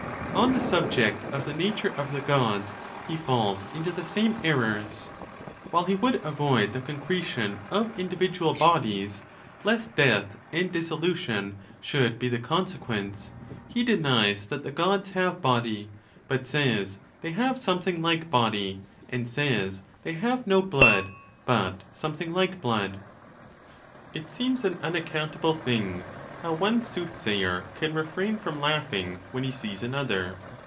On the subject of the nature of the Gods, he falls into the same errors. While he would avoid the concretion of in dividual bodies, lest death and dissolution should be the consequence, he denies that the Gods have body, but says they have something like body; and says they have no bloodj but something like blood. XXVI. It seems an unaccountable thing how one sooth sayer can refrain from laughing when he sees another.